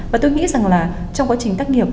và tôi nghĩ rằng là trong quá trình tác nghiệp